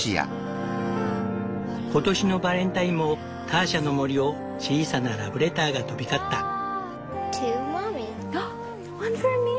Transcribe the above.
今年のバレンタインもターシャの森を小さなラブレターが飛び交った。